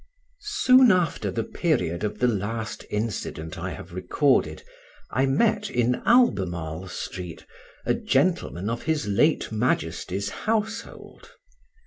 Soon after the period of the last incident I have recorded I met in Albemarle Street a gentleman of his late Majesty's household.